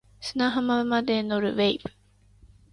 砂浜まで乗る wave